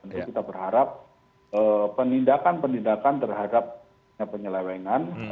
tentu kita berharap penindakan penindakan terhadap penyelewengan